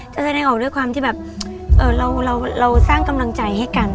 แสดงออกด้วยความที่แบบเราสร้างกำลังใจให้กัน